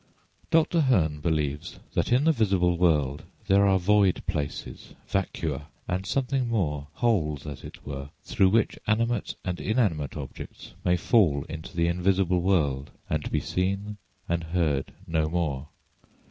Dr. Hem believes that in the visible world there are void places—vacua, and something more—holes, as it were, through which animate and inanimate objects may fall into the invisible world and be seen and heard no more.